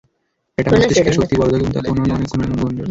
এটা মস্তিষ্কের শক্তি বর্ধক এবং তাতে অন্য অনেক গুণাগুণ রয়েছে।